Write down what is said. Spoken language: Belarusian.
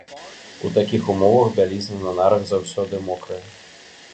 У такіх умовах бялізна на нарах заўсёды мокрая.